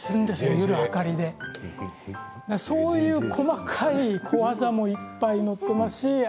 家の明かりでそういう小技もいっぱい載っています。